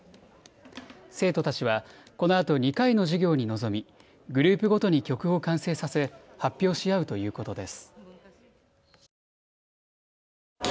生徒たちは、このあと２回の授業に臨みグループごとに曲を完成させ発表し合うということです。